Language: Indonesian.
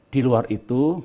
di luar itu